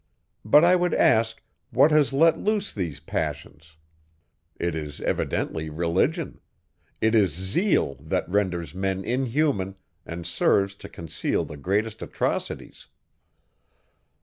But I would ask, what has let loose these passions? It is evidently Religion; it is zeal, that renders men inhuman, and serves to conceal the greatest atrocities.